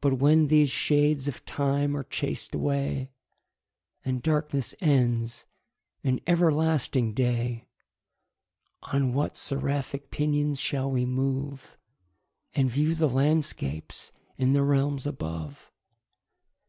But when these shades of time are chas'd away, And darkness ends in everlasting day, On what seraphic pinions shall we move, And view the landscapes in the realms above?